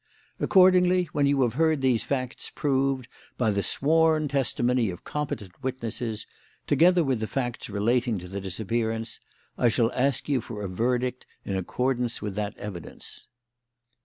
Accordingly, when you have heard these facts proved by the sworn testimony of competent witnesses, together with the facts relating to the disappearance, I shall ask you for a verdict in accordance with that evidence."